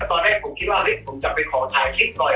ตอนแรกผมคิดว่าผมจะไปขอถ่ายคลิปหน่อย